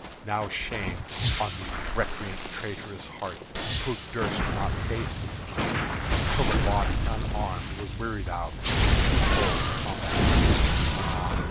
(Now shame on the recreant traitor's heart Who durst not face his King Till the body unarmed was wearied out With two fold combating! Ah!